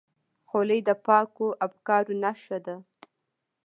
خولۍ د پاکو افکارو نښه ده.